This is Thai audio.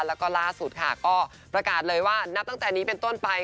แล้วก็ล่าสุดค่ะก็ประกาศเลยว่านับตั้งแต่นี้เป็นต้นไป